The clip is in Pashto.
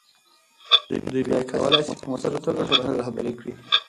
دوی بیا کولی سي په مؤثره توګه ټولنه رهبري کړي.